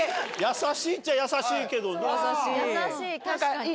優しいっちゃ優しいけどな。